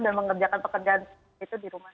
dan mengerjakan pekerjaan itu di rumah